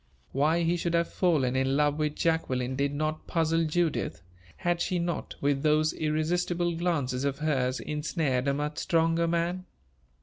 Why he should have fallen in love with Jacqueline did not puzzle Judith: had she not, with those irresistible glances of hers, ensnared a much stronger man?